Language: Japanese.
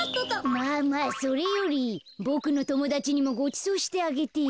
まあまあそれよりボクのともだちにもごちそうしてあげてよ。